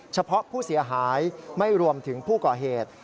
เฉพาะผู้เสียหายไม่รวมถึงผู้ก่อเหตุ